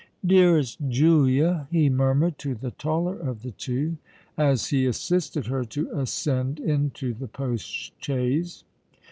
"Dearest Julia!" he murmured to the taller of the two, as he assisted her to ascend into the post chaise.